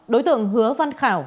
đối tượng hứa văn khảo